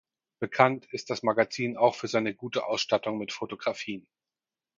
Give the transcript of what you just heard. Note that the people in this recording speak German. Bekannt ist das Magazin auch für seine gute Ausstattung mit Fotografien.